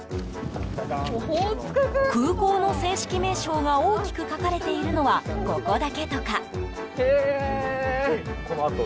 空港の正式名称が大きく書かれているのはここだけとか。